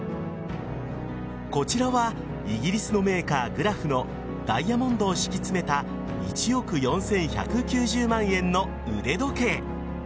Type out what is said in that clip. こちらはイギリスのメーカーグラフのダイヤモンドを敷き詰めた１億４１９０万円の腕時計。